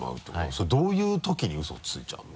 それどういうときにウソをついちゃうの？